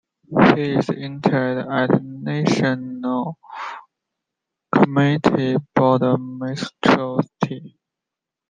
He is interred at National Cemetery Bourne, Massachusetts.